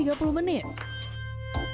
setelah selesai kita bisa mencoba